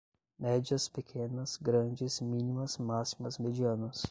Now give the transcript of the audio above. Médias, pequenas, grandes, mínimas, máximas, medianas